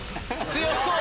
強そう！